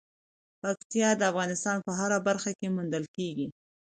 پکتیا د افغانستان په هره برخه کې موندل کېږي.